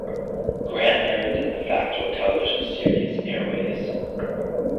Grant narrated the factual television series "Air Ways".